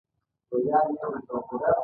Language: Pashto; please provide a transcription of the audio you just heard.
ډوډۍ خوندوره ده.